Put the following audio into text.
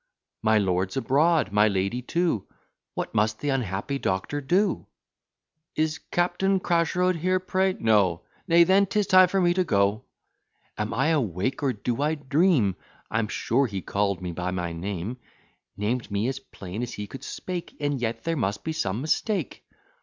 My lord 's abroad; my lady too: What must the unhappy doctor do? "Is Captain Cracherode here, pray?" "No." "Nay, then 'tis time for me to go." Am I awake, or do I dream? I'm sure he call'd me by my name; Named me as plain as he could speak; And yet there must be some mistake.